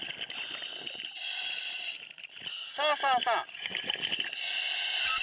そうそうそう。